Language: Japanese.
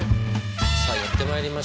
さあやってまいりました。